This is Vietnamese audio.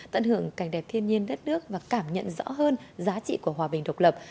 tận hưởng cảnh đẹp thiên nhiên đất nước và cảm nhận rõ hơn giá trị của hòa bình độc lập